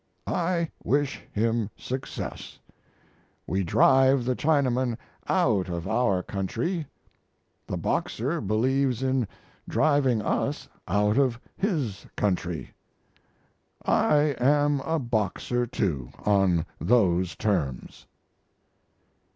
I wish him success. We drive the Chinaman out of our country; the Boxer believes in driving us out of his country. I am a Boxer, too, on those terms.